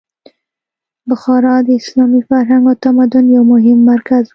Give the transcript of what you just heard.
بخارا د اسلامي فرهنګ او تمدن یو مهم مرکز و.